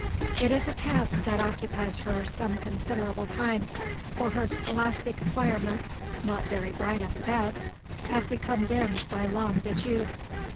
It is a task that occupies her some considerable time; for her scholastic acquirements, not very bright at the best, have become dimmed by long disuse.